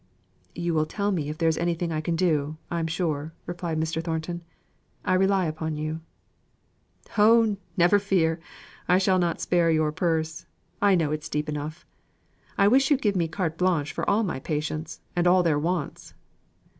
"You will tell me if there is anything I can do, I'm sure," replied Mr. Thornton. "I rely upon you." "Oh! never fear! I'll not spare your purse, I know it's deep enough. I wish you'd give me a carte blanche for all my patients, and all their wants."